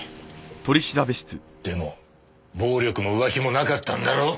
でも暴力も浮気もなかったんだろ？